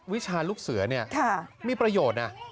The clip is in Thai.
วิชาลูกเสือเนี่ยมีประโยชน์นะ